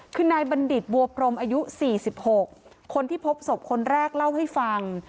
คือนายบัณฑิตบัวพรมอายุ๔๖คนที่พบศพคนแรกเล่าให้ฟัง